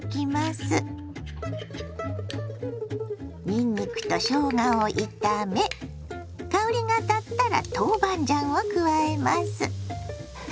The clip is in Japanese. にんにくとしょうがを炒め香りがたったら豆板醤を加えます。